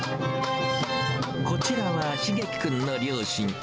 こちらは蒼基君の両親。